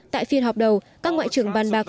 tại phiên họp đầu các ngoại trưởng bàn bạc